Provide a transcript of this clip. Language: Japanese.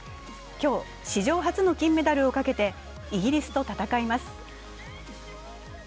今日、史上初の金メダルをかけてイギリスと戦います。